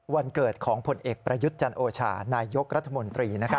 วันเกิดของผลเอกประยุทธ์จันโอชานายยกรัฐมนตรี